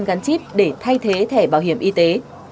các bệnh viện cũng đã gắn chip để thay thế thẻ bảo hiểm y tế